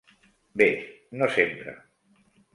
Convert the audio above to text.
Bé, no sempre.